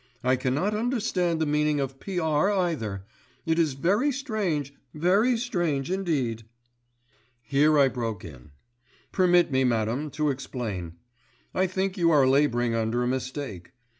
I cannot understand the meaning of P.R. either. It is very strange, very strange indeed." Here I broke in. "Permit me, madam, to explain. I think you are labouring under a mistake.